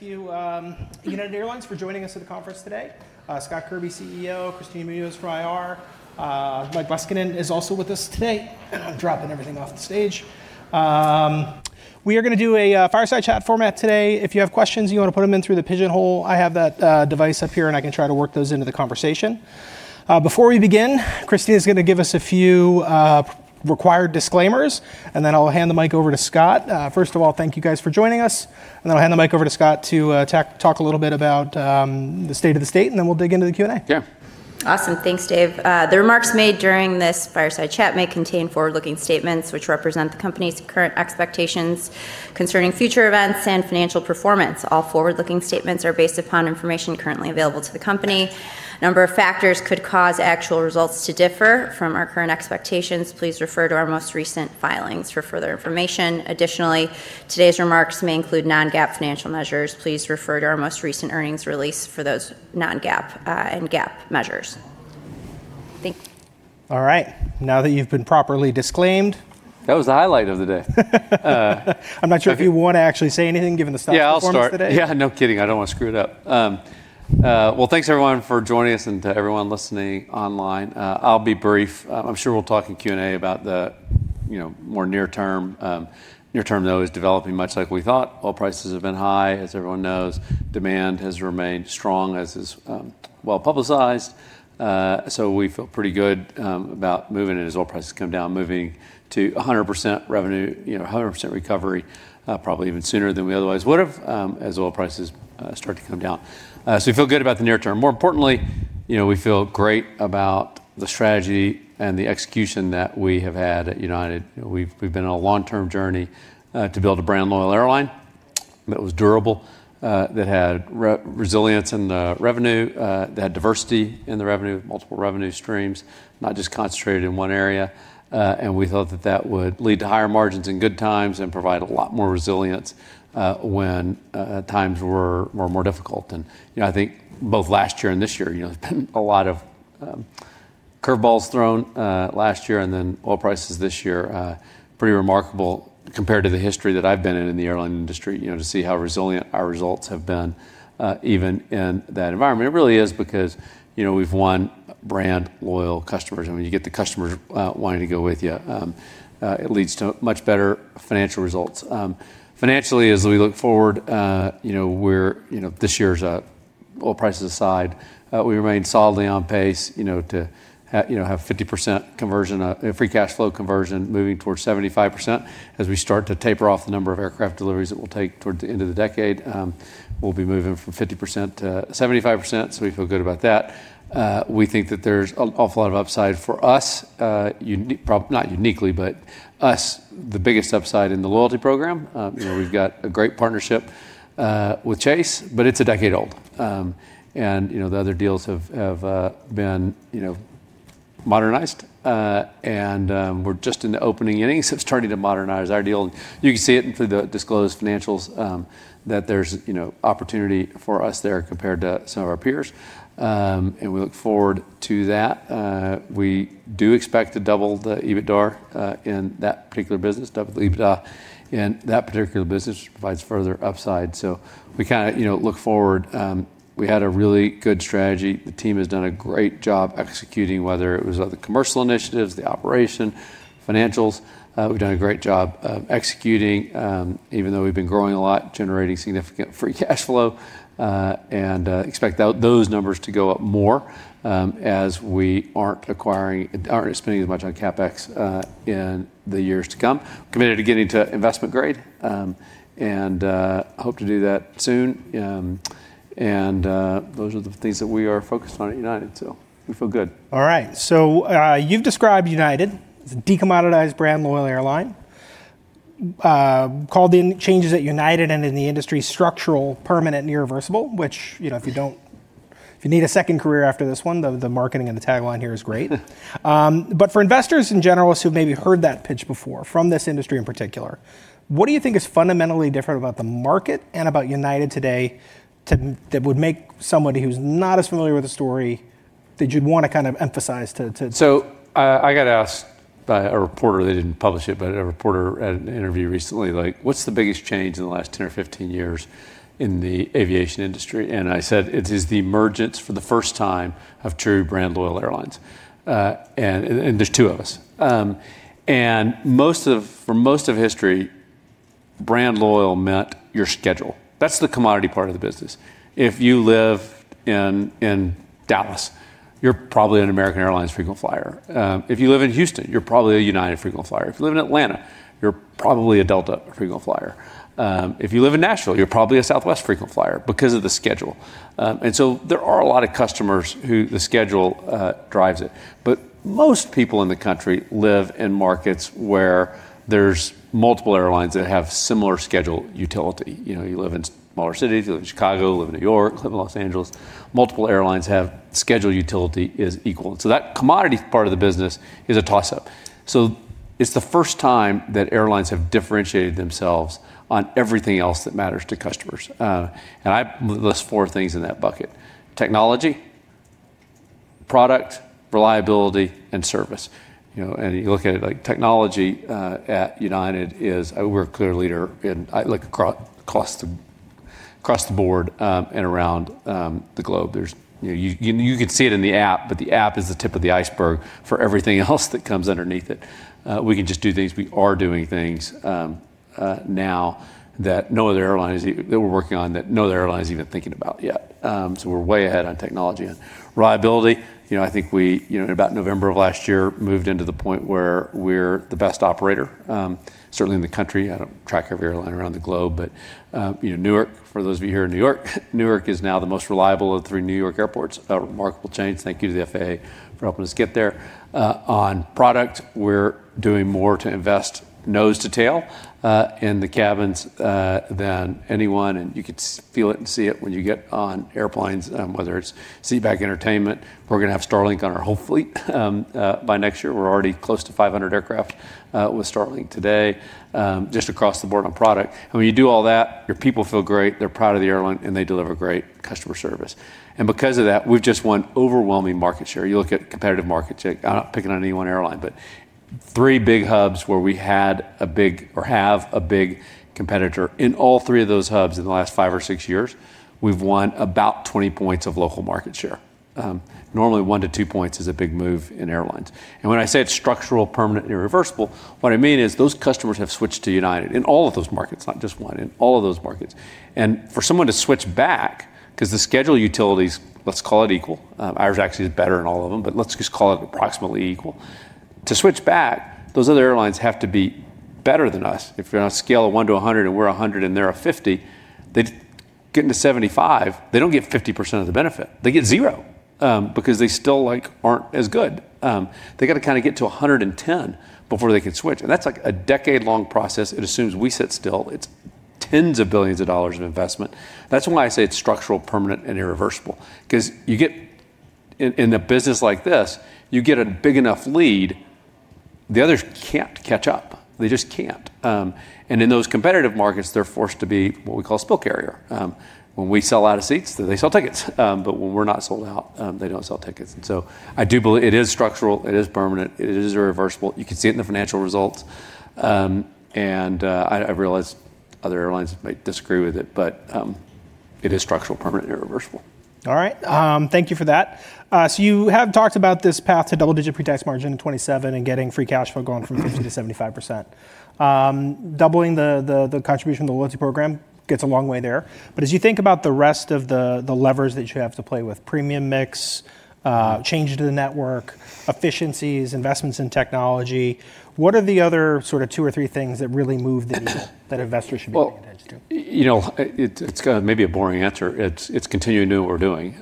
Thank you, United Airlines, for joining us at the conference today. Scott Kirby, Chief Executive Officer, Kristina Munoz for IR. Michael Leskinen is also with us today. I'm dropping everything off the stage. We are going to do a fireside chat format today. If you have questions, you want to put them in through the Pigeonhole. I have that device up here, and I can try to work those into the conversation. Before we begin, Kristina is going to give us a few required disclaimers, and then I'll hand the mic over to Scott. First of all, thank you guys for joining us, and then I'll hand the mic over to Scott to talk a little bit about the state of the state, and then we'll dig into the Q&A. Yeah. Awesome. Thanks, Dave. The remarks made during this fireside chat may contain forward-looking statements which represent the company's current expectations concerning future events and financial performance. All forward-looking statements are based upon information currently available to the company. A number of factors could cause actual results to differ from our current expectations. Please refer to our most recent filings for further information. Additionally, today's remarks may include Non-GAAP financial measures. Please refer to our most recent earnings release for those Non-GAAP and GAAP measures. Thank you. All right. Now that you've been properly disclaimed. That was the highlight of the day. I'm not sure if you want to actually say anything given the stock performance today. Yeah, I'll start. Yeah, no kidding. I don't want to screw it up. Well, thanks, everyone, for joining us and to everyone listening online. I'll be brief. I'm sure we'll talk in Q&A about the more near term. Near term, though, is developing much like we thought. Oil prices have been high, as everyone knows. Demand has remained strong, as is well-publicized. We feel pretty good about moving it as oil prices come down, moving to 100% revenue, 100% recovery, probably even sooner than we otherwise would have as oil prices start to come down. We feel good about the near term. More importantly, we feel great about the strategy and the execution that we have had at United. We've been on a long-term journey to build a brand loyal airline that was durable, that had resilience in the revenue, that had diversity in the revenue, multiple revenue streams, not just concentrated in one area. We thought that that would lead to higher margins in good times and provide a lot more resilience when times were more difficult. I think both last year and this year, there's been a lot of curve balls thrown last year and then oil prices this year. Pretty remarkable compared to the history that I've been in in the airline industry to see how resilient our results have been even in that environment. It really is because we've won brand loyal customers, and when you get the customers wanting to go with you, it leads to much better financial results. Financially, as we look forward, this year is, oil prices aside, we remain solidly on pace to have 50% conversion, free cash flow conversion moving towards 75% as we start to taper off the number of aircraft deliveries that we'll take towards the end of the decade. We'll be moving from 50%-75%. We feel good about that. We think that there's an awful lot of upside for us. Not uniquely, but us, the biggest upside in the loyalty program. We've got a great partnership with Chase, but it's a decade old. The other deals have been modernized. We're just in the opening innings, so it's starting to modernize our deal. You can see it through the disclosed financials that there's opportunity for us there compared to some of our peers, and we look forward to that. We do expect to double the EBITDA in that particular business. Double the EBITDA in that particular business provides further upside. We look forward. We had a really good strategy. The team has done a great job executing, whether it was the commercial initiatives, the operation, financials. We've done a great job of executing, even though we've been growing a lot, generating significant free cash flow, expect those numbers to go up more as we aren't spending as much on CapEx in the years to come. Committed to getting to investment grade, hope to do that soon, those are the things that we are focused on at United. We feel good. All right. You've described United as a decommoditized brand loyal airline. Called the changes at United and in the industry structural, permanent, and irreversible, which if you need a second career after this one, the marketing and the tagline here is great. For investors and generalists who've maybe heard that pitch before from this industry in particular, what do you think is fundamentally different about the market and about United today that would make somebody who's not as familiar with the story, that you'd want to kind of emphasize to- I got asked by a reporter, they didn't publish it, but a reporter at an interview recently, "What's the biggest change in the last 10 years or 15 years in the aviation industry?" I said, "It is the emergence for the first time of true brand loyal airlines." There's two of us. For most of history, brand loyal meant your schedule. That's the commodity part of the business. If you live in Dallas, you're probably an American Airlines frequent flyer. If you live in Houston, you're probably a United frequent flyer. If you live in Atlanta, you're probably a Delta frequent flyer. If you live in Nashville, you're probably a Southwest frequent flyer because of the schedule. There are a lot of customers who the schedule drives it. Most people in the country live in markets where there's multiple airlines that have similar schedule utility. You live in smaller cities, you live in Chicago, live in New York, live in Los Angeles. Multiple airlines have schedule utility is equal. That commodity part of the business is a toss-up. It's the first time that airlines have differentiated themselves on everything else that matters to customers. I list four things in that bucket. Technology, Product, reliability, and service. You look at it like technology at United is, we're a clear leader in, look across the board, and around the globe. You could see it in the app, but the app is the tip of the iceberg for everything else that comes underneath it. We can just do things. We are doing things now that we're working on, that no other airline is even thinking about yet. We're way ahead on technology and reliability. I think we, in about November of last year, moved into the point where we're the best operator, certainly in the country. I don't track every airline around the globe, but Newark, for those of you here in New York, Newark is now the most reliable of the three New York airports. A remarkable change. Thank you to the FAA for helping us get there. On product, we're doing more to invest nose to tail, in the cabins, than anyone, and you could feel it and see it when you get on airplanes, whether it's seat back entertainment. We're going to have Starlink on our whole fleet by next year. We're already close to 500 aircraft with Starlink today, just across the board on product. When you do all that, your people feel great. They're proud of the airline, and they deliver great customer service. Because of that, we've just won overwhelming market share. You look at competitive market share, I'm not picking on any one airline, but three big hubs where we had a big, or have a big competitor. In all three of those hubs in the last five or six years, we've won about 20 points of local market share. Normally, one to two points is a big move in airlines. When I say it's structural, permanent, and irreversible, what I mean is those customers have switched to United in all of those markets, not just one, in all of those markets. For someone to switch back, because the schedule utility's, let's call it equal. Ours actually is better in all of them, but let's just call it approximately equal. To switch back, those other airlines have to be better than us. If you're on a scale of one to 100% and we're 100% and they're a 50%, getting to 75%, they don't get 50% of the benefit. They get zero, because they still aren't as good. They got to get to 110% before they can switch, and that's a decade long process, and assumes we sit still. It's tens of billions of dollars in investment. That's why I say it's structural, permanent, and irreversible. Because you get in a business like this, you get a big enough lead, the others can't catch up. They just can't. In those competitive markets, they're forced to be what we call spill carrier. When we sell out of seats, they sell tickets. When we're not sold out, they don't sell tickets. I do believe it is structural, it is permanent, it is irreversible. You can see it in the financial results. I realize other airlines might disagree with it, but it is structural, permanent, and irreversible. All right. Thank you for that. You have talked about this path to double-digit pre-tax margin in 2027 and getting free cash flow going from 50%-75%. Doubling the contribution of the loyalty program gets a long way there. But as you think about the rest of the levers that you have to play with, premium mix, change to the network, efficiencies, investments in technology, what are the other two or three things that really move the needle that investors should be paying attention to? It's going to may be a boring answer. It's continuing to do what we're doing.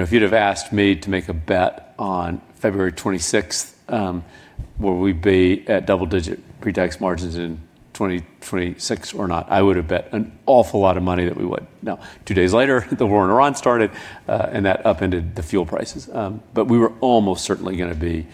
If you'd have asked me to make a bet on February 26th, will we be at double-digit pre-tax margins in 2026 or not, I would have bet an awful lot of money that we would. Two days later, the war in Ukraine started, and that upended the fuel prices. We were almost certainly going to be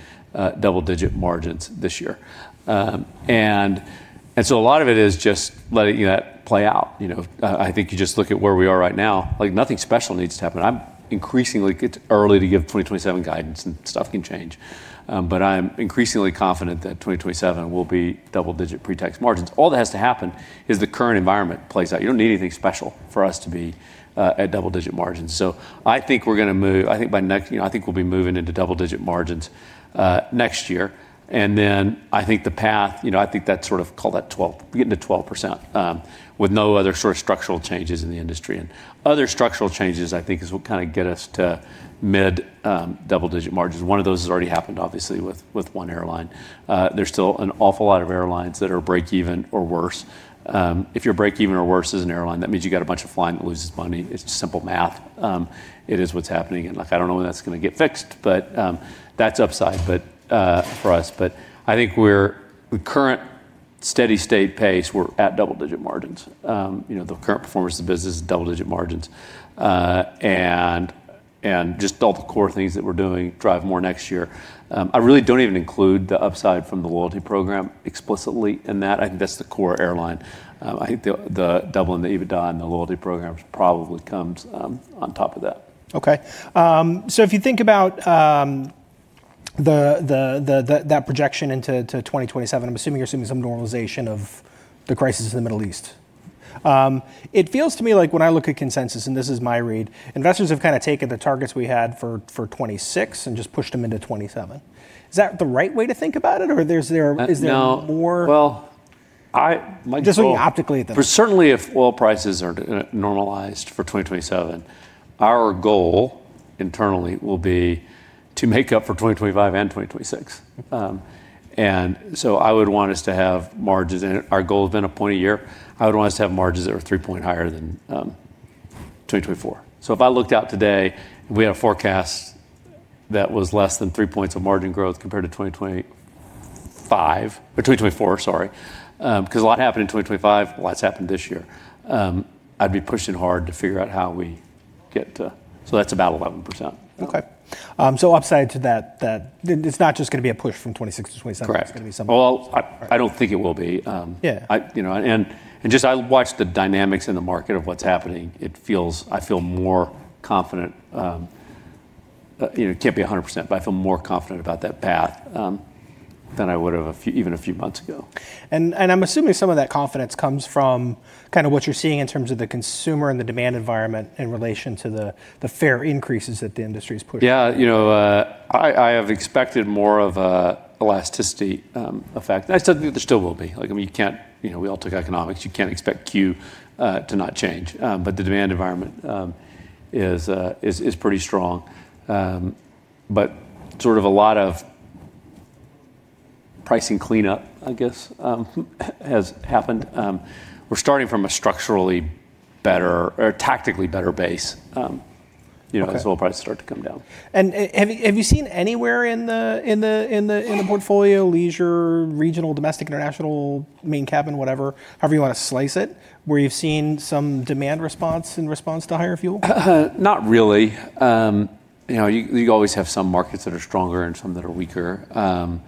double-digit margins this year. A lot of it is just letting that play out. I think you just look at where we are right now, nothing special needs to happen. It's early to give 2027 guidance and stuff can change, but I'm increasingly confident that 2027 will be double-digit pre-tax margins. All that has to happen is the current environment plays out. You don't need anything special for us to be at double-digit margins. I think we will be moving into double-digit margins next year, and then I think the path, I think call that getting to 12% with no other structural changes in the industry. Other structural changes, I think is what get us to mid double-digit margins. One of those has already happened, obviously, with one airline. There is still an awful lot of airlines that are break-even or worse. If you are break-even or worse as an airline, that means you got a bunch of flying that loses money. It is just simple math. It is what is happening, and look, I do not know when that is going to get fixed, but that is upside for us. I think with current steady state pace, we are at double-digit margins. The current performance of the business is double-digit margins. Just all the core things that we are doing drive more next year. I really don't even include the upside from the loyalty program explicitly in that. I think that's the core airline. I think the double in the EBITDA and the loyalty program probably comes on top of that. Okay. If you think about that projection into 2027, I'm assuming you're assuming some normalization of the crisis in the Middle East. It feels to me like when I look at consensus, and this is my read, investors have taken the targets we had for 2026 and just pushed them into 2027. Is that the right way to think about it or is there more? No. Well. Just looking optically at those. Certainly if oil prices are normalized for 2027, our goal internally will be to make up for 2025 and 2026. I would want us to have margins, and our goal has been a point a year. I would want us to have margins that are 3 point higher than 2024. If I looked out today and we had a forecast that was less than 3 points of margin growth compared to 2025 or 2024, sorry, because a lot happened in 2025, a lot's happened this year. I'd be pushing hard to figure out how we get to. That's about 11%. Okay. upside to that, it's not just going to be a push from 2026 to 2027. Correct. It's going to be something. Well, I don't think it will be. Yeah. Just, I watch the dynamics in the market of what's happening. I feel more confident. You know, it can't be 100%, but I feel more confident about that path than I would've even a few months ago. I'm assuming some of that confidence comes from what you're seeing in terms of the consumer and the demand environment in relation to the fare increases that the industry's pushing. Yeah. I have expected more of a elasticity effect, and I still think there still will be. We all took economics. You can't expect Q to not change. The demand environment is pretty strong. Sort of a lot of pricing cleanup, I guess, has happened. We're starting from a structurally better or tactically better base. Okay as oil prices start to come down. Have you seen anywhere in the portfolio, leisure, regional, domestic, international, main cabin, whatever, however you want to slice it, where you've seen some demand response in response to higher fuel? Not really. You know, you always have some markets that are stronger and some that are weaker, but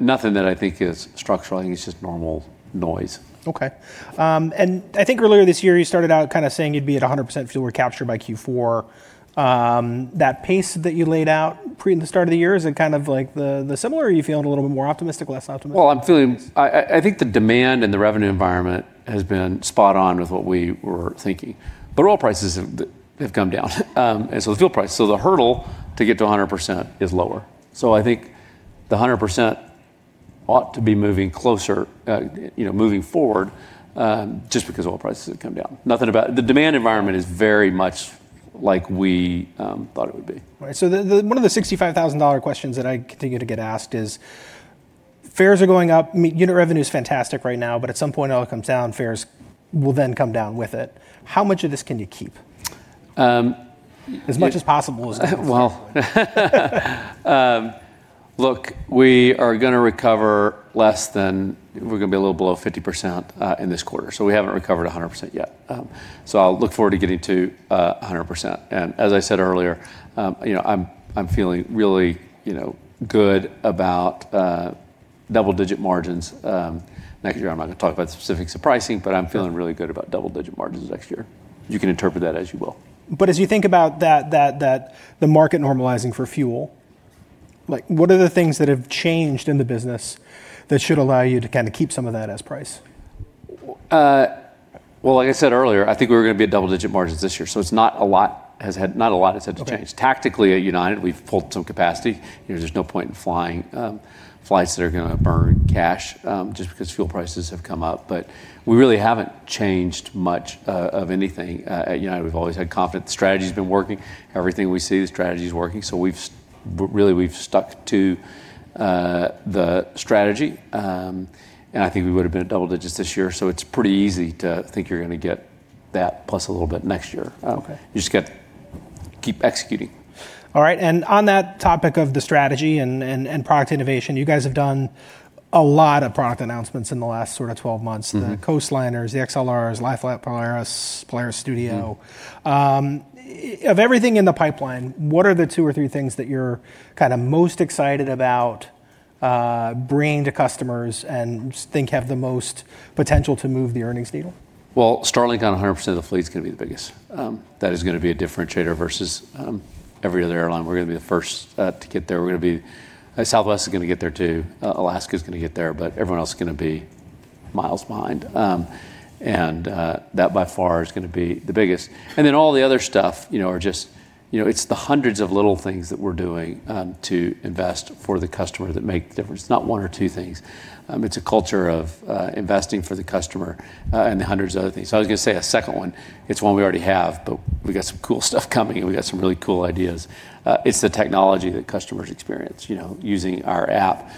nothing that I think is structural. I think it's just normal noise. Okay. I think earlier this year you started out saying you'd be at 100% fuel recapture by Q4. That pace that you laid out pre the start of the year, is it kind of like similar, or are you feeling a little bit more optimistic, less optimistic? Well, I think the demand and the revenue environment has been spot on with what we were thinking. Oil prices have come down, and so the fuel price. The hurdle to get to 100% is lower. I think the 100% ought to be moving closer, moving forward, just because oil prices have come down. The demand environment is very much like we thought it would be. Right. One of the $65,000 questions that I continue to get asked is, fares are going up, unit revenue's fantastic right now, but at some point it'll come down, fares will then come down with it. How much of this can you keep? Well, look, we're going to be a little below 50% in this quarter. We haven't recovered 100% yet. I'll look forward to getting to 100%. As I said earlier, I'm feeling really good about double-digit margins. Next year, I'm not going to talk about the specifics of pricing, but I'm feeling really good about double-digit margins next year. You can interpret that as you will. As you think about the market normalizing for fuel, what are the things that have changed in the business that should allow you to keep some of that as price? Well, like I said earlier, I think we were going to be at double-digit margins this year. Not a lot has had to change. Okay. Tactically at United, we've pulled some capacity. There's no point in flying flights that are going to burn cash just because fuel prices have come up. We really haven't changed much of anything at United. We've always had confident the strategy's been working. Everything we see, the strategy's working. Really we've stuck to the strategy, and I think we would've been at double digits this year, so it's pretty easy to think you're going to get that plus a little bit next year. Oh, okay. You just got to keep executing. All right. On that topic of the strategy and product innovation, you guys have done a lot of product announcements in the last sort of 12 months. The Coastliners, the XLRs, Lie Flat Polaris Studio. Of everything in the pipeline, what are the two or three things that you're kind of most excited about bringing to customers and think have the most potential to move the earnings needle? Well, Starlink on 100% of the fleet's going to be the biggest. That is going to be a differentiator versus every other airline. We're going to be the first to get there. Southwest is going to get there, too. Alaska's going to get there. Everyone else is going to be miles behind. That by far is going to be the biggest. Then all the other stuff. It's the hundreds of little things that we're doing to invest for the customer that make the difference. It's not one or two things. It's a culture of investing for the customer, and the hundreds of other things. I was going to say a second one. It's one we already have, but we got some cool stuff coming and we got some really cool ideas. It's the technology that customers experience using our app.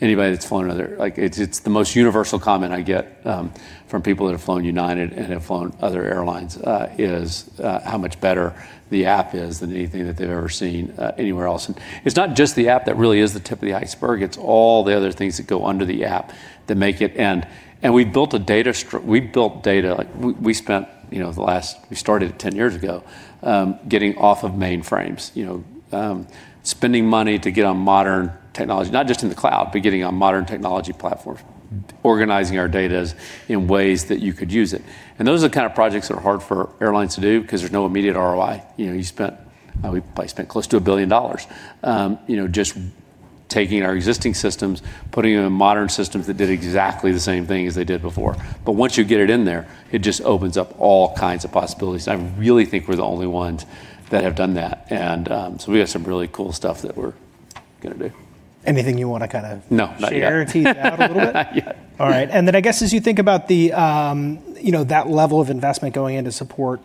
Anybody that's flown another, it's the most universal comment I get from people that have flown United and have flown other airlines is how much better the app is than anything that they've ever seen anywhere else. It's not just the app that really is the tip of the iceberg. It's all the other things that go under the app that make it. We built data. We started 10 years ago, getting off of mainframes. Spending money to get on modern technology, not just in the cloud, but getting on modern technology platforms. Organizing our data in ways that you could use it. Those are the kind of projects that are hard for airlines to do because there's no immediate ROI. We probably spent close to $1 billion just taking our existing systems, putting them in modern systems that did exactly the same thing as they did before. Once you get it in there, it just opens up all kinds of possibilities. I really think we're the only ones that have done that. We got some really cool stuff that we're going to do. Anything you want to kind of- No, not yet. share, tease out a little bit? Not yet. All right. I guess as you think about that level of investment going in to support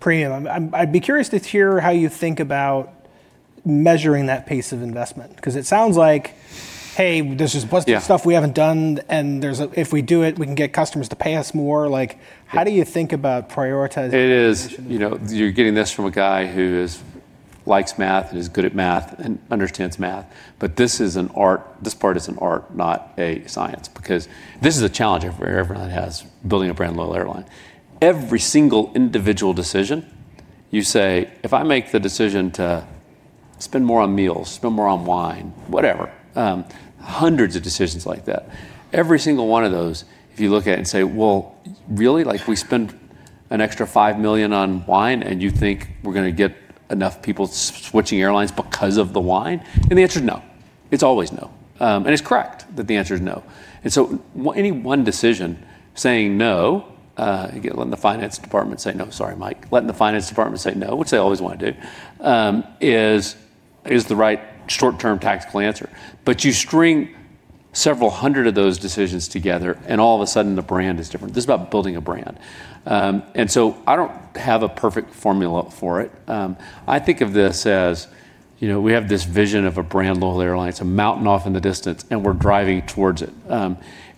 premium, I'd be curious to hear how you think about measuring that pace of investment. Yeah a bunch of stuff we haven't done, and if we do it, we can get customers to pay us more." How do you think about prioritizing innovation? You're getting this from a guy who likes math and is good at math and understands math, but this part is an art, not a science. Because this is a challenge every airline has, building a brand loyal airline. Every single individual decision, you say, "If I make the decision to spend more on meals, spend more on wine, whatever. Hundreds of decisions like that. Every single one of those, if you look at it and say, "Well, really? We spend an extra $5 million on wine, and you think we're going to get enough people switching airlines because of the wine?" And the answer is no. It's always no. And it's correct that the answer is no. Any one decision saying no, letting the finance department say, "No, sorry, Mike." Letting the finance department say no, which they always want to do, is the right short-term tactical answer. You string several hundred of those decisions together, and all of a sudden the brand is different. This is about building a brand. I don't have a perfect formula for it. I think of this as we have this vision of a brand loyal airline. It's a mountain off in the distance, and we're driving towards it.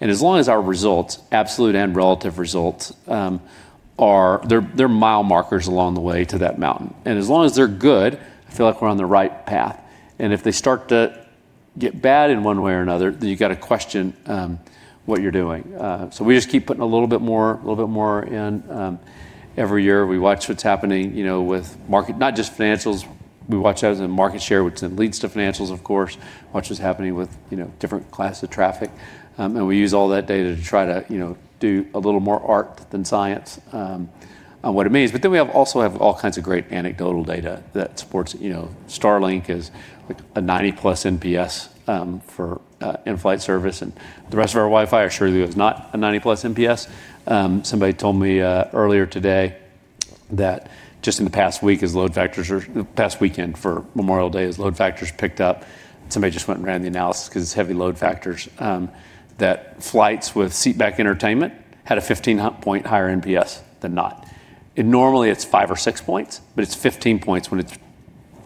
As long as our results, absolute and relative results, they're mile markers along the way to that mountain. As long as they're good, I feel like we're on the right path. If they start to get bad in one way or another, then you've got to question what you're doing. We just keep putting a little bit more in every year. We watch what's happening with market, not just financials. We watch that as in market share, which then leads to financials, of course. We watch what's happening with different class of traffic. We use all that data to try to do a little more art than science on what it means. We also have all kinds of great anecdotal data that supports. Starlink is a 90+ NPS for in-flight service, and the rest of our Wi-Fi, I assure you, is not a 90+ NPS. Somebody told me earlier today that just in the past weekend for Memorial Day, as load factors picked up, somebody just went and ran the analysis because it's heavy load factors, that flights with seat back entertainment had a 15-point higher NPS than not. Normally it's five or six points, but it's 15 points when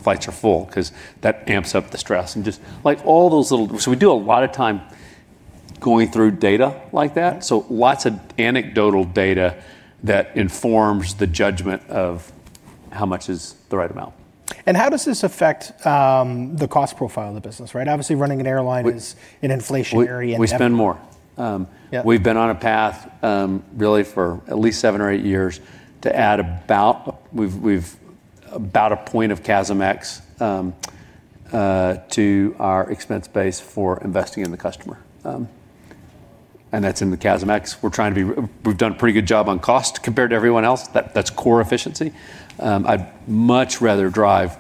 flights are full because that amps up the stress and just all those little. We do a lot of time going through data like that. Lots of anecdotal data that informs the judgment of how much is the right amount. How does this affect the cost profile of the business, right? Obviously, running an airline is an inflationary endeavor. We spend more. Yeah. We've been on a path, really for at least seven or eight years, to add about a point of CASM-ex to our expense base for investing in the customer. That's in the CASM-ex. We've done a pretty good job on cost compared to everyone else. That's core efficiency. I'd much rather drive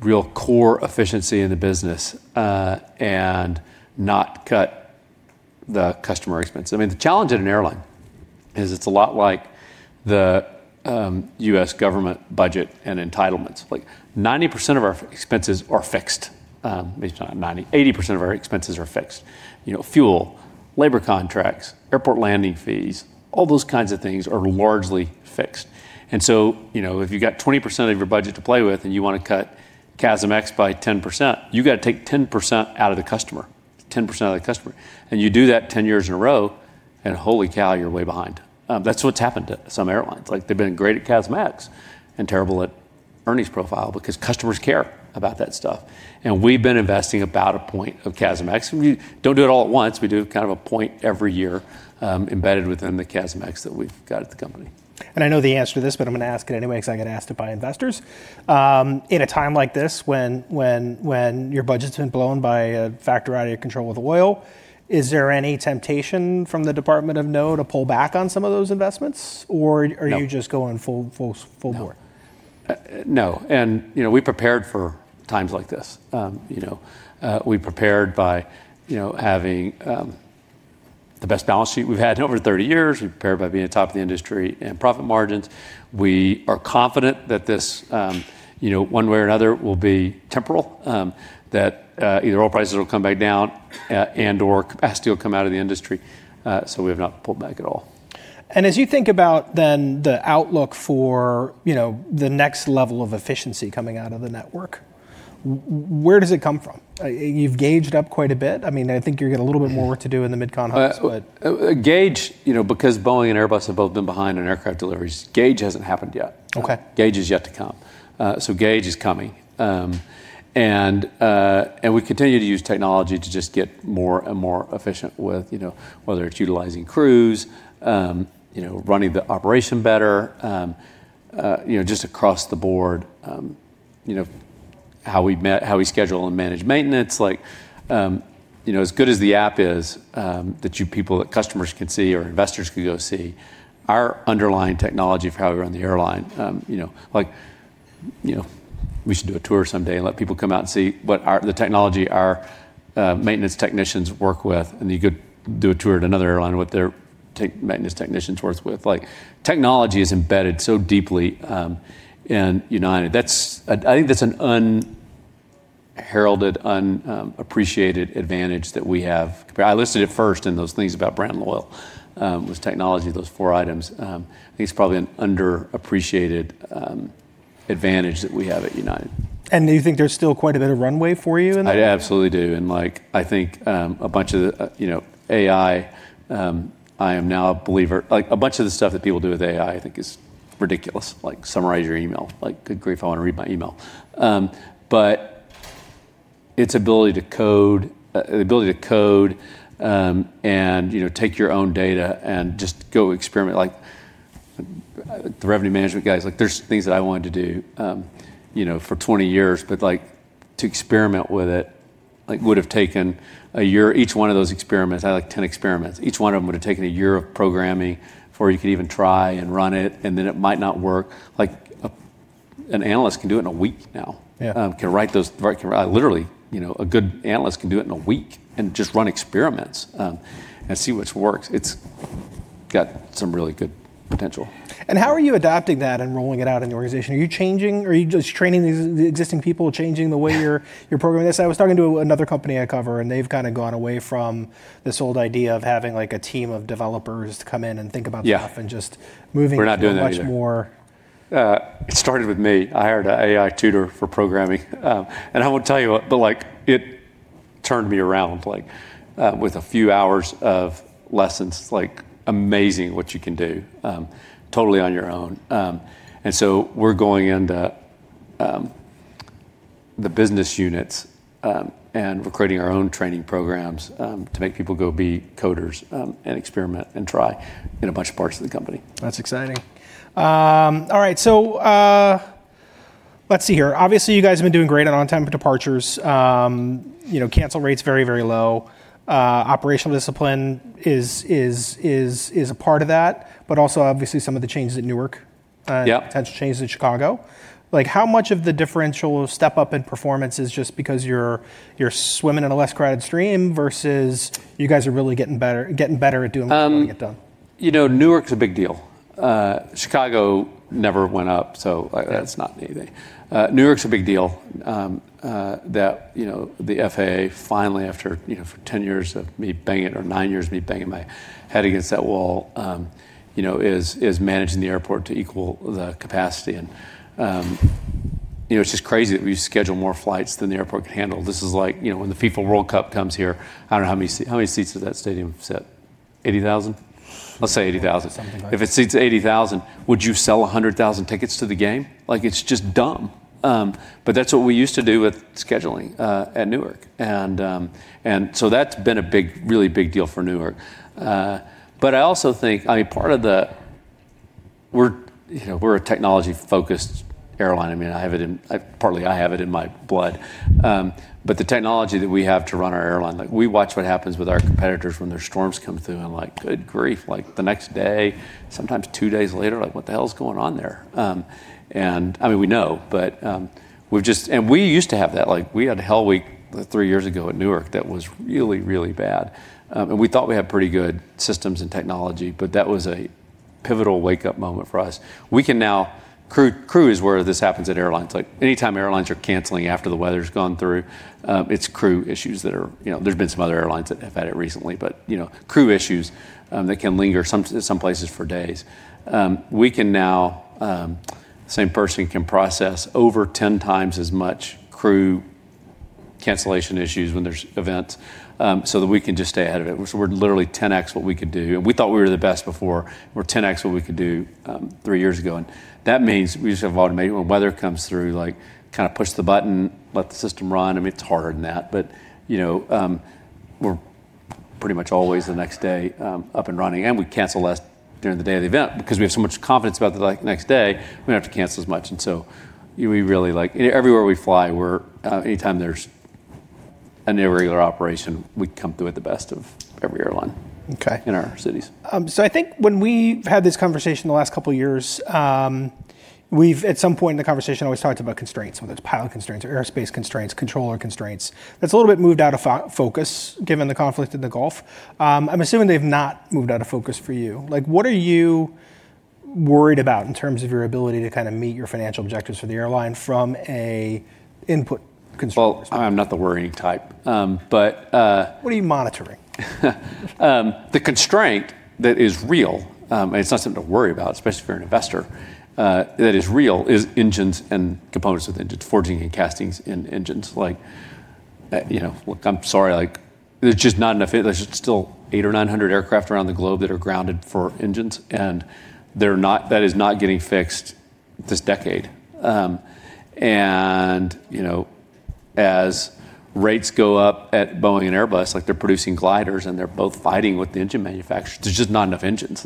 real core efficiency in the business, and not cut the customer expense. The challenge in an airline is it's a lot like the U.S. government budget and entitlements. 90% of our expenses are fixed. Maybe it's not 90%. 80% of our expenses are fixed. Fuel, labor contracts, airport landing fees, all those kinds of things are largely fixed. If you've got 20% of your budget to play with and you want to cut CASM-ex by 10%, you've got to take 10% out of the customer. You do that 10 years in a row, and holy cow, you're way behind. That's what's happened to some airlines. They've been great at CASM-ex and terrible at earnings profile because customers care about that stuff. We've been investing about a point of CASM-ex, and we don't do it all at once. We do kind of a point every year embedded within the CASM-ex that we've got at the company. I know the answer to this, but I'm going to ask it anyway because I get asked it by investors. In a time like this when your budget's been blown by a factor out of your control with oil, is there any temptation from the Department of No to pull back on some of those investments? No are you just going full board? No. We prepared for times like this. We prepared by having the best balance sheet we've had in over 30 years. We prepared by being on top of the industry in profit margins. We are confident that this, one way or another, will be temporal, that either oil prices will come back down and/or capacity will come out of the industry. We have not pulled back at all. As you think about then the outlook for the next level of efficiency coming out of the network, where does it come from? You've gauged up quite a bit. I think you've got a little bit more work to do in the mid-continent hubs. Gauge, because Boeing and Airbus have both been behind on aircraft deliveries, gauge hasn't happened yet. Okay. Gauge is yet to come. Gauge is coming. We continue to use technology to just get more and more efficient with, whether it's utilizing crews, running the operation better, just across the board how we schedule and manage maintenance. As good as the app is that you people, that customers can see or investors could go see, our underlying technology for how we run the airline. We should do a tour someday and let people come out and see what the technology our maintenance technicians work with, and you could do a tour at another airline, what their maintenance technicians works with. Technology is embedded so deeply in United. I think that's an unheralded, unappreciated advantage that we have compared. I listed it first in those things about brand loyal, was technology, those four items. I think it's probably an underappreciated advantage that we have at United. Do you think there's still quite a bit of runway for you in that? I absolutely do. I think a bunch of the AI, I am now a believer. A bunch of the stuff that people do with AI I think is ridiculous, like summarize your email. Good grief, I want to read my email. Its ability to code and take your own data and just go experiment. Like the revenue management guys, there's things that I wanted to do for 20 years, but to experiment with it would've taken a year. Each one of those experiments, I had like 10 experiments. Each one of them would've taken a year of programming before you could even try and run it, and then it might not work. Like, an analyst can do it in a week now. Yeah. Can write those, literally, a good analyst can do it in a week and just run experiments and see which works. It's got some really good potential. How are you adapting that and rolling it out in the organization? Are you changing or are you just training the existing people, changing the way you're programming this? I was talking to another company I cover. They've kind of gone away from this old idea of having a team of developers to come in and think about stuff. Yeah and just moving it to a much more- We're not doing that either. It started with me. I hired an AI tutor for programming. I want to tell you, it turned me around with a few hours of lessons. It's amazing what you can do totally on your own. We're going into the business units, and we're creating our own training programs to make people go be coders and experiment and try in a bunch of parts of the company. That's exciting. All right. Let's see here. Obviously, you guys have been doing great on on-time departures. Cancel rates very, very low. Operational discipline is a part of that, but also obviously some of the changes at Newark. Yeah potential changes in Chicago. How much of the differential step up in performance is just because you're swimming in a less crowded stream versus you guys are really getting better at doing what you want to get done? Newark's a big deal. Chicago never went up, so that's not anything. Newark's a big deal that the FAA finally, after for 10 years of me banging, or nine years of me banging my head against that wall, is managing the airport to equal the capacity. It's just crazy that we schedule more flights than the airport can handle. This is like when the FIFA World Cup comes here. I don't know, how many seats does that stadium sit? 80,000 seats? Let's say 80,000 seats. Something like that. If it seats 80,000, would you sell 100,000 tickets to the game? It's just dumb. That's what we used to do with scheduling at Newark. That's been a really big deal for Newark. I also think, we're a technology focused airline. Partly I have it in my blood. The technology that we have to run our airline, we watch what happens with our competitors when their storms come through, and like, good grief, the next day, sometimes two days later, what the hell's going on there? We know, and we used to have that. We had a hell week three years ago at Newark that was really, really bad. We thought we had pretty good systems and technology, but that was a pivotal wake-up moment for us. Crew is where this happens at airlines. Anytime airlines are canceling after the weather's gone through, it's crew issues. There's been some other airlines that have had it recently, but crew issues that can linger in some places for days. We can now, same person can process over 10x as much crew cancellation issues when there's events, so that we can just stay ahead of it. We're literally 10x what we could do. We thought we were the best before. We're 10x what we could do three years ago, and that means we just have automated. When weather comes through, push the button, let the system run. It's harder than that, but we're pretty much always the next day up and running, and we cancel less during the day of the event. Because we have so much confidence about the next day, we don't have to cancel as much. Everywhere we fly, anytime there's an irregular operation, we come through it the best of every airline. Okay in our cities. I think when we've had this conversation the last couple of years, we've, at some point in the conversation, always talked about constraints, whether it's pilot constraints or airspace constraints, controller constraints. That's a little bit moved out of focus given the conflict in the Gulf. I'm assuming they've not moved out of focus for you. What are you worried about in terms of your ability to meet your financial objectives for the airline from an input constraint perspective? Well, I'm not the worrying type. What are you monitoring? The constraint that is real, and it's not something to worry about, especially if you're an investor, that is real, is engines and components of engines, forging and castings in engines. Look, I'm sorry, there's still 800 or 900 aircraft around the globe that are grounded for engines, and that is not getting fixed this decade. As rates go up at Boeing and Airbus, they're producing gliders, and they're both fighting with the engine manufacturers. There's just not enough engines.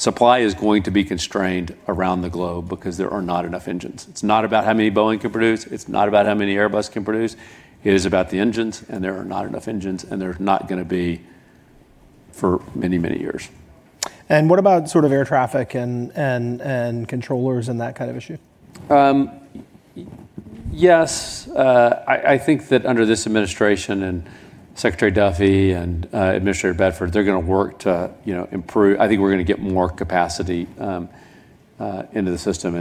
Supply is going to be constrained around the globe because there are not enough engines. It's not about how many Boeing can produce. It's not about how many Airbus can produce. It is about the engines, and there are not enough engines, and there's not going to be for many, many years. What about air traffic and controllers and that kind of issue? Yes. I think that under this administration and Secretary Duffy and Administrator Bedford, they're going to work to improve I think we're going to get more capacity into the system,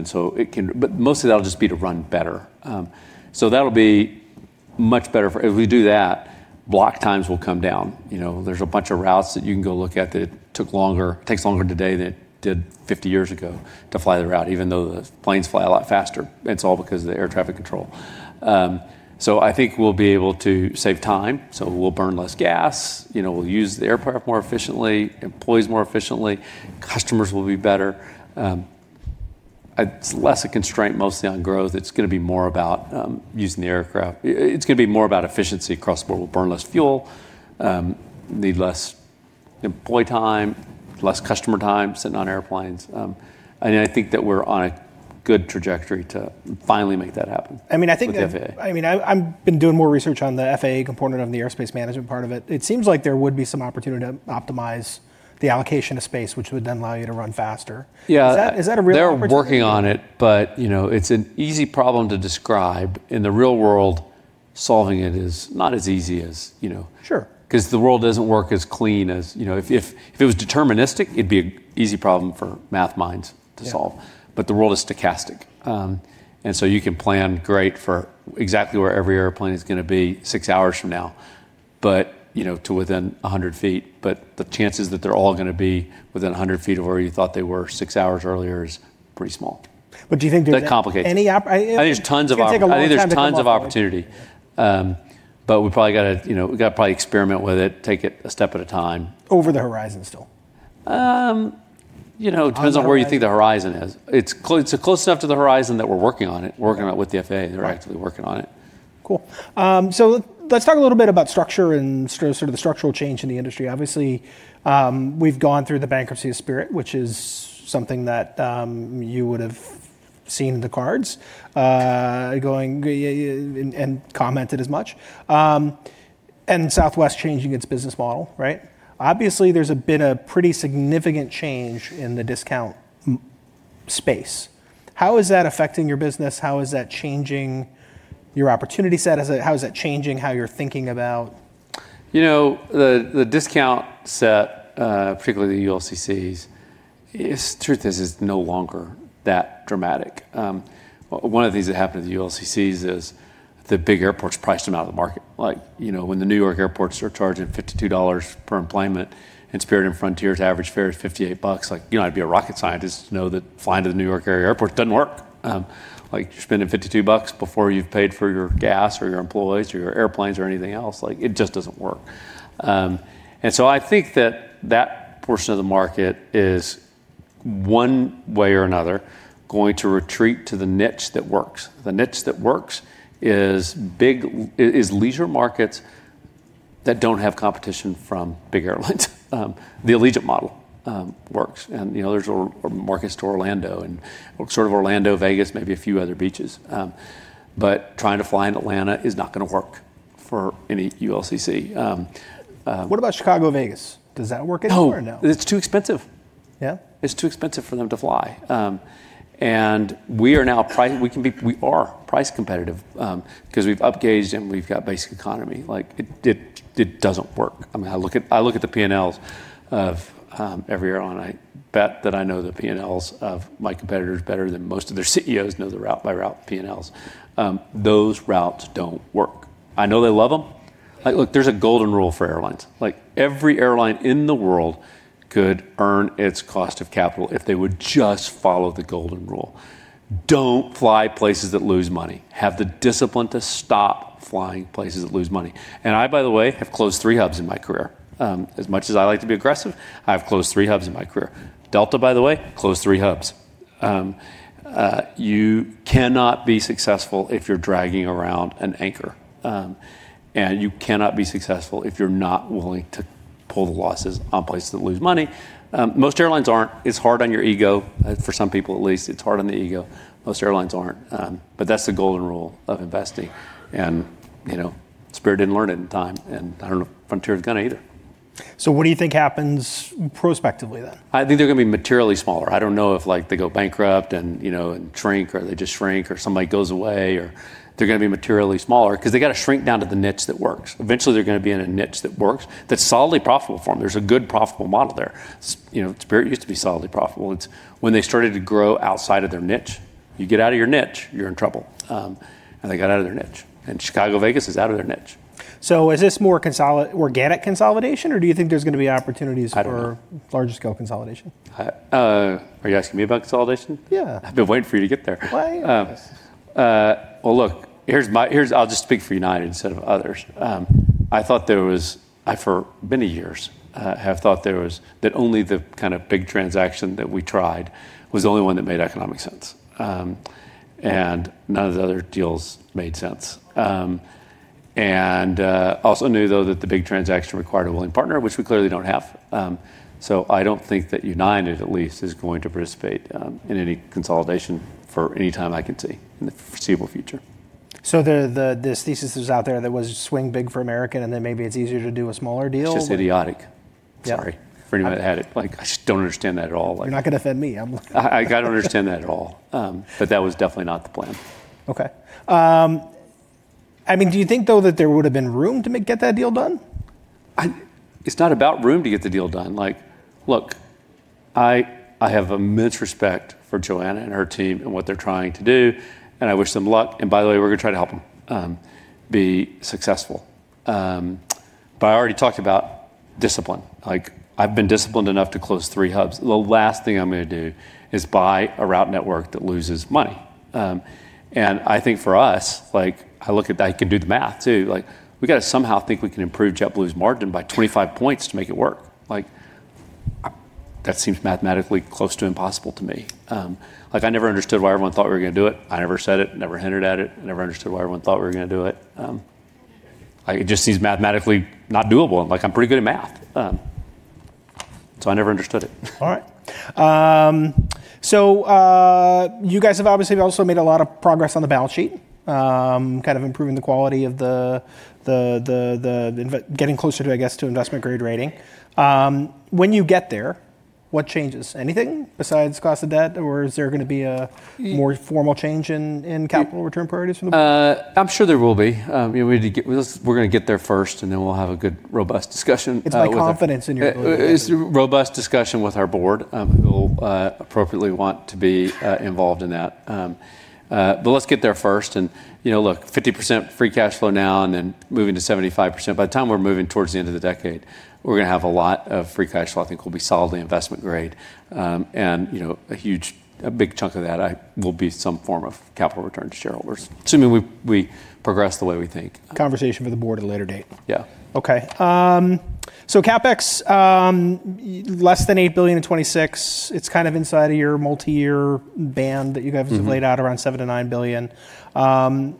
but most of that'll just be to run better. That'll be much better. If we do that, block times will come down. There's a bunch of routes that you can go look at that it takes longer today than it did 50 years ago to fly the route, even though the planes fly a lot faster. It's all because of the air traffic control. I think we'll be able to save time. We'll burn less gas. We'll use the aircraft more efficiently, employees more efficiently. Customers will be better. It's less a constraint mostly on growth. It's going to be more about using the aircraft. It's going to be more about efficiency across the board. We'll burn less fuel, need less employee time, less customer time sitting on airplanes. I think that we're on a good trajectory to finally make that happen. I think that- With the FAA. I've been doing more research on the FAA component of the airspace management part of it. It seems like there would be some opportunity to optimize the allocation of space, which would then allow you to run faster. Yeah. Is that a real opportunity? They're working on it, but it's an easy problem to describe. In the real world, solving it is not as easy. Sure because the world doesn't work as clean as if it was deterministic, it'd be an easy problem for math minds to solve. Yeah. The world is stochastic. You can plan great for exactly where every airplane is going to be six hours from now, to within 100 feet. The chances that they're all going to be within 100 feet of where you thought they were six hours earlier is pretty small. Do you think? That complicates it. It's going to take a long time to come up with. I think there's tons of opportunity. We've got to probably experiment with it, take it a step at a time. Over the horizon still? It depends on where you think the horizon is. It's close enough to the horizon that we're working on it, working on it with the FAA. Right. They're actively working on it. Cool. Let's talk a little bit about structure and sort of the structural change in the industry. Obviously, we've gone through the bankruptcy of Spirit, which is something that you would've seen in the cards, and commented as much. Southwest changing its business model. Obviously, there's been a pretty significant change in the discount space. How is that affecting your business? How is that changing your opportunity set? How is that changing how you're thinking about? The discount set, particularly the ULCCs, truth is it's no longer that dramatic. One of the things that happened to the ULCCs is the big airports priced them out of the market. When the New York airports are charging $52 per enplanement, and Spirit and Frontier's average fare is $58, you don't have to be a rocket scientist to know that flying to the New York area airport doesn't work. You're spending $ 52 before you've paid for your gas or your employees or your airplanes or anything else. It just doesn't work. I think that that portion of the market is, one way or another, going to retreat to the niche that works. The niche that works is leisure markets that don't have competition from big airlines. The Allegiant model works, and there's markets to Orlando and sort of Orlando, Vegas, maybe a few other beaches. Trying to fly into Atlanta is not going to work for any ULCC. What about Chicago, Vegas? Does that work at all or no? No. It's too expensive. Yeah? It's too expensive for them to fly. We are now price competitive because we've upgauged and we've got Basic Economy. It doesn't work. I look at the P&Ls of every airline, I bet that I know the P&Ls of my competitors better than most of their Chief Executive Officers know their route by route P&Ls. Those routes don't work. I know they love them. Look, there's a golden rule for airlines. Every airline in the world could earn its cost of capital if they would just follow the golden rule. Don't fly places that lose money. Have the discipline to stop flying places that lose money. I, by the way, have closed three hubs in my career. As much as I like to be aggressive, I have closed three hubs in my career. Delta, by the way, closed three hubs. You cannot be successful if you're dragging around an anchor. You cannot be successful if you're not willing to pull the losses on places that lose money. Most airlines aren't. It's hard on your ego. For some people, at least, it's hard on the ego. Most airlines aren't. That's the golden rule of investing, and Spirit didn't learn it in time, and I don't know if Frontier's going to either. What do you think happens prospectively then? I think they're going to be materially smaller. I don't know if they go bankrupt and shrink or they just shrink or somebody goes away or they're going to be materially smaller because they've got to shrink down to the niche that works. Eventually, they're going to be in a niche that works that's solidly profitable for them. There's a good profitable model there. Spirit used to be solidly profitable. When they started to grow outside of their niche, you get out of your niche, you're in trouble. They got out of their niche. Chicago, Vegas is out of their niche. Is this more organic consolidation, or do you think there's going to be opportunities? I don't know. larger scale consolidation? Are you asking me about consolidation? Yeah. I've been waiting for you to get there. Well, yes. Well, look, I'll just speak for United instead of others. I, for many years, have thought that only the kind of big transaction that we tried was the only one that made economic sense. None of the other deals made sense. Also knew, though, that the big transaction required a willing partner, which we clearly don't have. I don't think that United, at least, is going to participate in any consolidation for any time I can see in the foreseeable future. This thesis is out there that was swing big for American and then maybe it's easier to do a smaller deal? It's just idiotic. Yeah. Sorry. For anybody that had it. I just don't understand that at all. You're not going to offend me. I don't understand that at all. That was definitely not the plan. Okay. Do you think, though, that there would've been room to get that deal done? It's not about room to get the deal done. I have immense respect for Joanna and her team and what they're trying to do, and I wish them luck. By the way, we're going to try to help them be successful. I already talked about discipline. I've been disciplined enough to close three hubs. The last thing I'm going to do is buy a route network that loses money. I think for us, I look at that, you can do the math too. We got to somehow think we can improve JetBlue's margin by 25 points to make it work. That seems mathematically close to impossible to me. I never understood why everyone thought we were going to do it. I never said it, never hinted at it. I never understood why everyone thought we were going to do it. It just seems mathematically not doable and I'm pretty good at math. I never understood it. All right. You guys have obviously also made a lot of progress on the balance sheet, kind of improving the quality of, getting closer, I guess, to investment grade rating. When you get there, what changes? Anything besides cost of debt, or is there going to be a more formal change in capital return priorities from the board? I'm sure there will be. We're going to get there first and then we'll have a good, robust discussion with our- It's my confidence in your ability. it's a robust discussion with our board, who will appropriately want to be involved in that. Let's get there first and look, 50% free cash flow now and then moving to 75%. By the time we're moving towards the end of the decade, we're going to have a lot of free cash flow, I think we'll be solidly investment grade. A big chunk of that will be some form of capital return to shareholders, assuming we progress the way we think. Conversation with the board at a later date. Yeah. Okay. CapEx, less than $8 billion in 2026. It's kind of inside of your multi-year band that you guys- have laid out around $7 billion-$9 billion.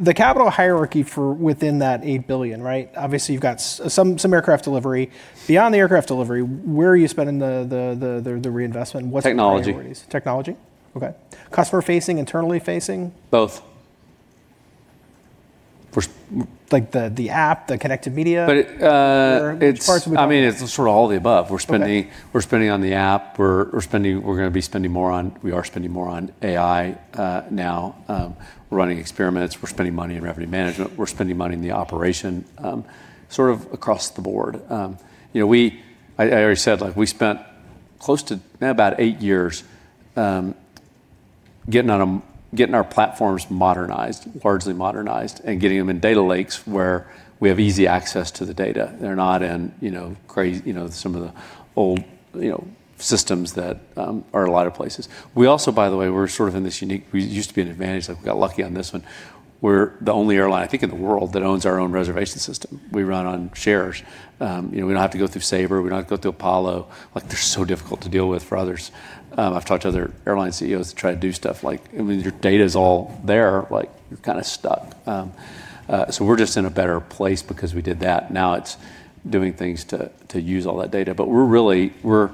The capital hierarchy for within that $8 billion, right? Obviously, you've got some aircraft delivery. Beyond the aircraft delivery, where are you spending the reinvestment? What's the priorities? Technology. Technology? Okay. Customer-facing, internally-facing? Both. Like the app, the connected media? But it- As far as we know. I mean, it's sort of all the above. Okay. We're spending on the app. We are spending more on AI now. We're running experiments. We're spending money in revenue management. We're spending money in the operation, sort of across the board. I already said, we spent close to now about eight years, getting our platforms largely modernized and getting them in data lakes where we have easy access to the data. They're not in some of the old systems that are a lot of places. We also, by the way, we're sort of in this unique, it used to be an advantage, we got lucky on this one. We're the only airline, I think, in the world that owns our own reservation system. We run on SHARES. We don't have to go through Sabre, we don't have to go through Apollo. They're so difficult to deal with for others. I've talked to other airline Chief Executive Officers to try to do stuff. Your data's all there. You're kind of stuck. We're just in a better place because we did that. Now it's doing things to use all that data. We're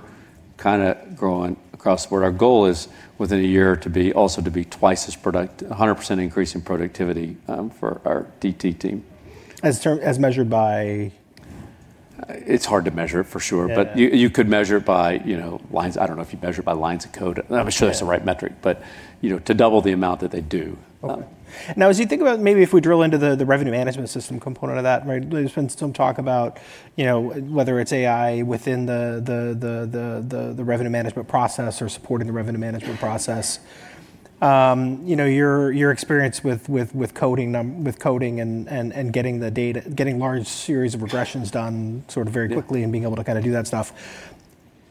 kind of growing across the board. Our goal is within a year to be also to be twice as productive, 100% increase in productivity for our DT team. As measured by? It's hard to measure for sure. Yeah. You could measure it by lines, I don't know if you'd measure it by lines of code. I'm not sure. Yeah that's the right metric, but to double the amount that they do. Okay. As you think about, maybe if we drill into the revenue management system component of that, right? There's been some talk about whether it's AI within the revenue management process or supporting the revenue management process. Your experience with coding and getting large series of regressions done sort of very quickly- Yeah Being able to kind of do that stuff.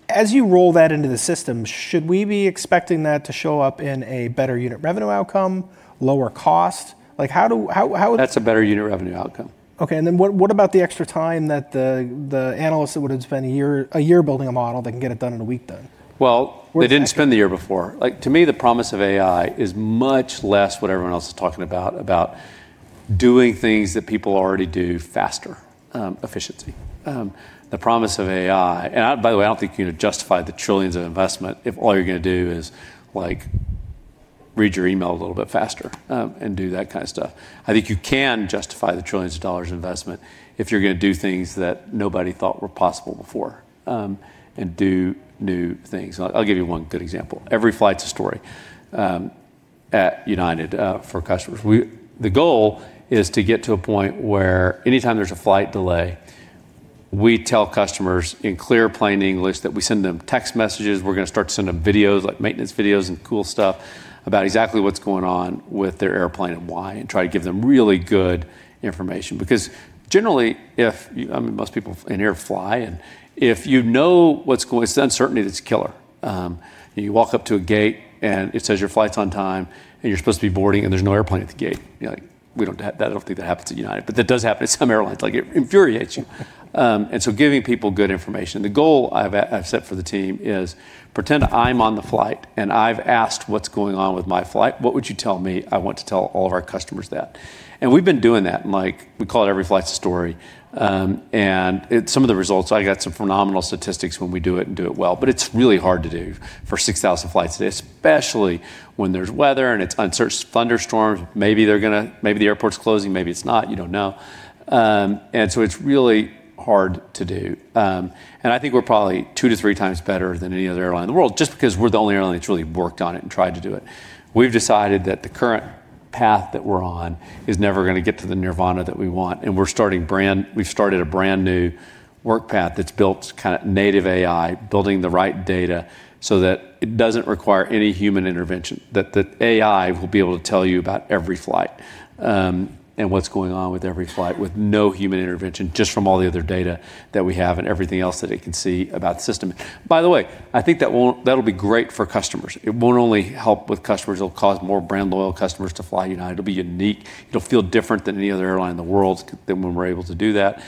As you roll that into the system, should we be expecting that to show up in a better unit revenue outcome, lower cost? That's a better unit revenue outcome. Okay, what about the extra time that the analysts that would have spent a year building a model, they can get it done in a week then? Well, they didn't spend the year before. To me, the promise of AI is much less what everyone else is talking about doing things that people already do faster, efficiency. The promise of AI, and by the way, I don't think you could justify the trillions of investment if all you're going to do is read your email a little bit faster and do that kind of stuff. I think you can justify the trillions of dollars of investment if you're going to do things that nobody thought were possible before, and do new things. I'll give you one good example. Every Flight's a Story at United, for customers. The goal is to get to a point where anytime there's a flight delay, we tell customers in clear, plain English that we send them text messages. We're going to start to send them videos, like maintenance videos and cool stuff about exactly what's going on with their airplane and why, and try to give them really good information. Generally, I mean, most people in here fly, and if you know, it's the uncertainty that's a killer. You walk up to a gate and it says your flight's on time, and you're supposed to be boarding, and there's no airplane at the gate. I don't think that happens at United, but that does happen at some airlines. It infuriates you. Giving people good information. The goal I've set for the team is pretend I'm on the flight, and I've asked what's going on with my flight. What would you tell me? I want to tell all of our customers that. We've been doing that. We call it Every Flight's a Story. Some of the results, I got some phenomenal statistics when we do it and do it well, but it's really hard to do for 6,000 flights a day, especially when there's weather and it's uncertain. Thunderstorms. Maybe the airport's closing, maybe it's not. You don't know. It's really hard to do. I think we're probably two to three times better than any other airline in the world, just because we're the only airline that's really worked on it and tried to do it. We've decided that the current path that we're on is never going to get to the nirvana that we want. We've started a brand new work path that's built native AI, building the right data so that it doesn't require any human intervention. The AI will be able to tell you about every flight, and what's going on with every flight with no human intervention, just from all the other data that we have and everything else that it can see about the system. I think that'll be great for customers. It won't only help with customers, it'll cause more brand loyal customers to fly United. It'll be unique. It'll feel different than any other airline in the world when we're able to do that.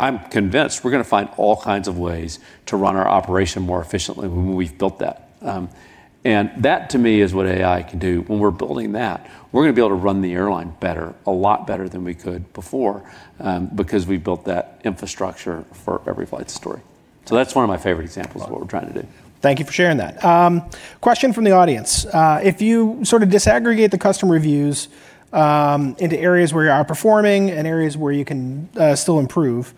I'm convinced we're going to find all kinds of ways to run our operation more efficiently when we've built that. That to me is what AI can do. When we're building that, we're going to be able to run the airline better, a lot better than we could before, because we've built that infrastructure for Every Flight's a Story. That's one of my favorite examples of what we're trying to do. Thank you for sharing that. Question from the audience. If you disaggregate the customer reviews into areas where you are performing and areas where you can still improve,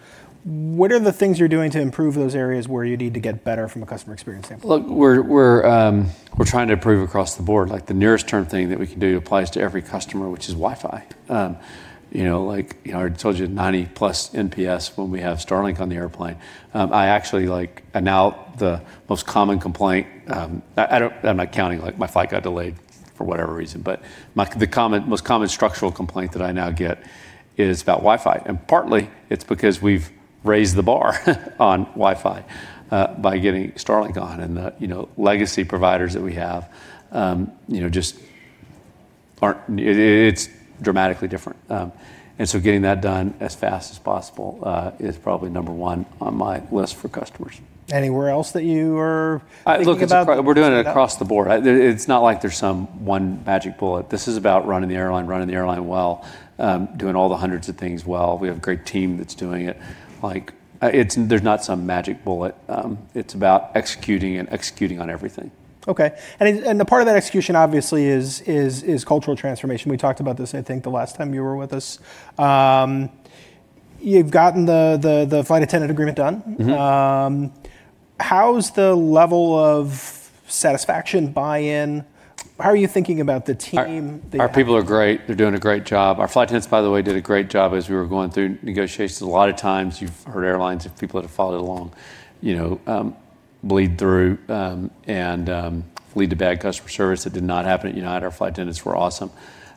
what are the things you're doing to improve those areas where you need to get better from a customer experience standpoint? Look, we're trying to improve across the board. The nearest term thing that we can do applies to every customer, which is Wi-Fi. I already told you, 90+ NPS when we have Starlink on the airplane. Now the most common complaint, I'm not counting my flight got delayed for whatever reason, the most common structural complaint that I now get is about Wi-Fi. Partly it's because we've raised the bar on Wi-Fi by getting Starlink on, the legacy providers that we have just aren't. It's dramatically different. Getting that done as fast as possible is probably number one on my list for customers. Anywhere else that you are thinking about. Look, we're doing it across the board. It's not like there's some one magic bullet. This is about running the airline, running the airline well, doing all the hundreds of things well. We have a great team that's doing it. There's not some magic bullet. It's about executing, and executing on everything. Okay. A part of that execution obviously is cultural transformation. We talked about this, I think, the last time you were with us. You've gotten the flight attendant agreement done. How's the level of satisfaction, buy-in? How are you thinking about the team? Our people are great. They're doing a great job. Our flight attendants, by the way, did a great job as we were going through negotiations. A lot of times you've heard airlines, if people that have followed along, bleed through and lead to bad customer service. It did not happen at United. Our flight attendants were awesome.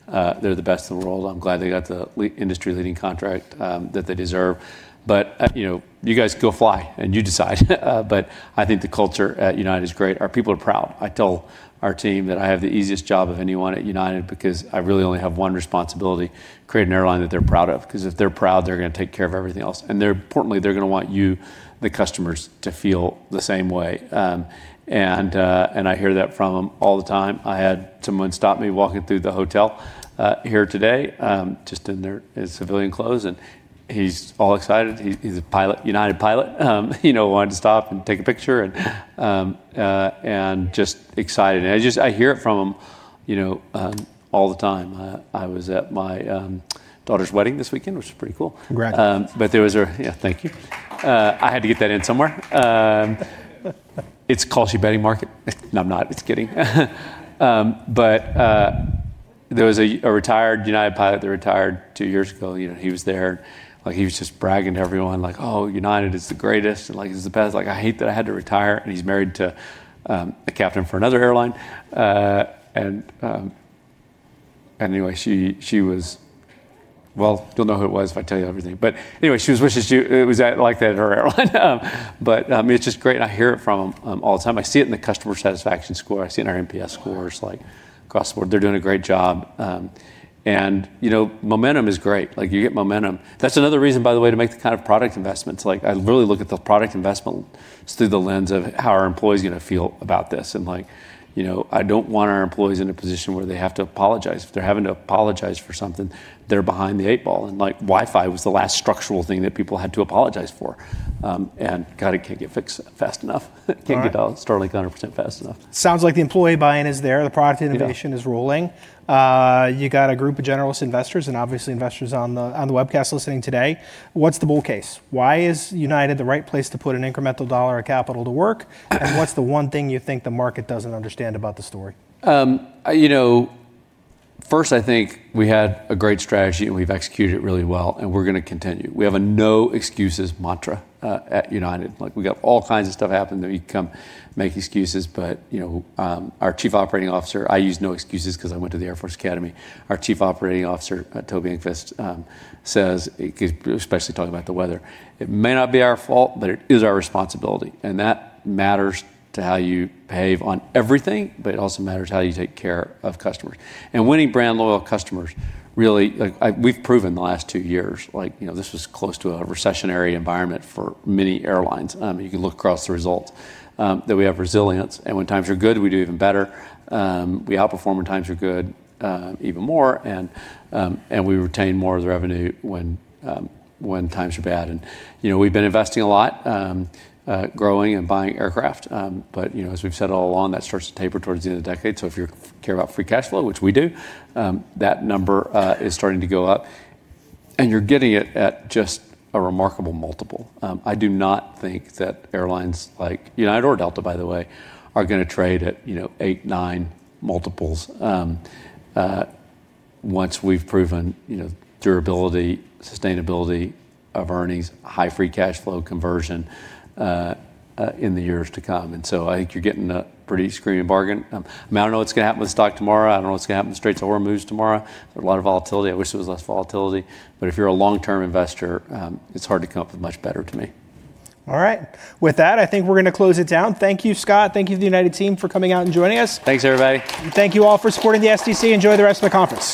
They're the best in the world. I'm glad they got the industry-leading contract that they deserve. You guys go fly, and you decide. I think the culture at United is great. Our people are proud. I tell our team that I have the easiest job of anyone at United because I really only have one responsibility, create an airline that they're proud of, because if they're proud, they're going to take care of everything else. Importantly, they're going to want you, the customers, to feel the same way. I hear that from them all the time. I had someone stop me walking through the hotel here today, just in their civilian clothes, and he's all excited. He's a United pilot. He wanted to stop and take a picture and just excited. I hear it from them all the time. I was at my daughter's wedding this weekend, which was pretty cool. Congrats. Yeah, thank you. I had to get that in somewhere. It's called she betting market. No, I'm not. Just kidding. There was a retired United pilot that retired two years ago. He was there. He was just bragging to everyone like, "Oh, United is the greatest," and like, "It's the best. I hate that I had to retire." He's married to a captain for another airline. Anyway, Well, you'll know who it was if I tell you everything. Anyway, she was wishing it was like that at her airline. It's just great, and I hear it from them all the time. I see it in the customer satisfaction score. I see it in our NPS scores across the board. They're doing a great job. Momentum is great. You get momentum. That's another reason, by the way, to make the kind of product investments. I literally look at the product investments through the lens of how are our employees going to feel about this? I don't want our employees in a position where they have to apologize. If they're having to apologize for something, they're behind the eight ball. Wi-Fi was the last structural thing that people had to apologize for. God, it can't get fixed fast enough. All right. Can't get Starlink 100% fast enough. Sounds like the employee buy-in is there. The product innovation- Yeah is rolling. You got a group of generous investors, and obviously investors on the webcast listening today. What's the bull case? Why is United the right place to put an incremental dollar or capital to work? What's the one thing you think the market doesn't understand about the story? I think we had a great strategy, we've executed it really well, we're going to continue. We have a no excuses mantra at United. We got all kinds of stuff happen that we come, make excuses, our Chief Operating Officer, I use no excuses because I went to the Air Force Academy. Our Chief Operating Officer, Toby Enqvist, says, especially talking about the weather, "It may not be our fault, but it is our responsibility." That matters to how you behave on everything, it also matters how you take care of customers. Winning brand loyal customers, really, we've proven the last two years. This was close to a recessionary environment for many airlines. You can look across the results that we have resilience, when times are good, we do even better. We outperform when times are good even more, and we retain more of the revenue when times are bad. We've been investing a lot, growing and buying aircraft. As we've said all along, that starts to taper towards the end of the decade. If you care about free cash flow, which we do, that number is starting to go up, and you're getting it at just a remarkable multiple. I do not think that airlines like United Airlines or Delta Air Lines, by the way, are going to trade at eight, nine multiples once we've proven durability, sustainability of earnings, high free cash flow conversion, in the years to come. I think you're getting a pretty screaming bargain. I don't know what's going to happen with stock tomorrow. I don't know what's going to happen with straight to our moves tomorrow. There's a lot of volatility. I wish there was less volatility. If you're a long-term investor, it's hard to come up with much better to me. All right. With that, I think we're going to close it down. Thank you, Scott. Thank you to the United team for coming out and joining us. Thanks, everybody. Thank you all for supporting the SDC. Enjoy the rest of the conference.